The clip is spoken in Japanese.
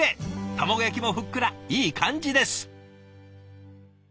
卵焼きもふっくらいい感じです。